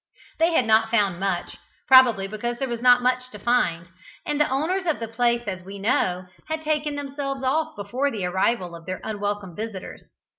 They had not found much, probably because there was not much to find; and the owners of the place, as we know, had taken themselves off before the arrival of their unwelcome visitors.